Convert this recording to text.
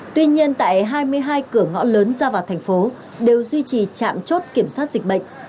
tuy nhiên tại hai mươi hai cửa ngõ lớn ra vào thành phố đều duy trì trạm chốt kiểm soát dịch bệnh